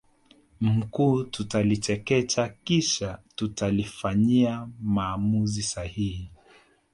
mkuu tutalichekecha kisha tutalifanyia maamuzi sahihi